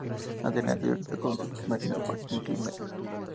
Adriana tiene un hijo con su exmarido Joaquín Climent.